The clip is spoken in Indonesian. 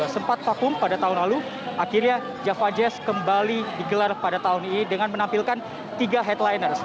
sempat vakum pada tahun lalu akhirnya java jazz kembali digelar pada tahun ini dengan menampilkan tiga headliners